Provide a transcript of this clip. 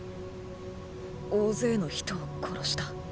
大勢の人を殺した。